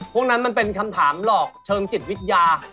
พวกนั้นมันเป็นคำถามหลอกเชิงจิตวิทยา